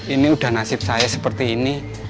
ini udah nasib saya seperti ini